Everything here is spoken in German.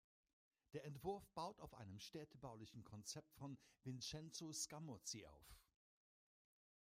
Der Entwurf baut auf einem städtebaulichen Konzept von Vincenzo Scamozzi auf.